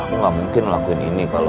aku gak mungkin ngelakuin ini kalau